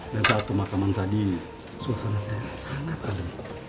dan saat pemakaman tadi suasana sangat halal